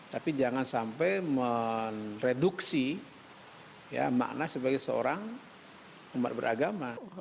tapi jangan sampai mereduksi makna sebagai seorang umat beragama